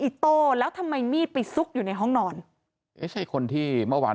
อิโต้แล้วทำไมมีดไปซุกอยู่ในห้องนอนเอ๊ะใช่คนที่เมื่อวาน